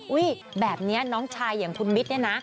อุ้ยแบบเนี่ยน้องชายอย่างคุณมิดเนี่ยนะ